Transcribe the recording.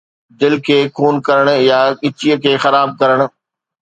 دل کي خون ڪرڻ يا ڳچيء کي خراب ڪرڻ